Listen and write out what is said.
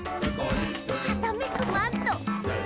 「はためくマント！」